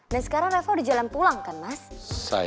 dan sekarang reva udah jalan pulang kan mas